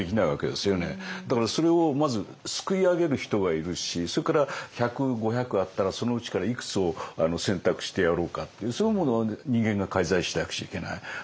だからそれをまずすくい上げる人が要るしそれから１００５００あったらそのうちからいくつを選択してやろうかっていうそういうものは人間が介在しなくちゃいけない。